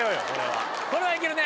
これはいけるね。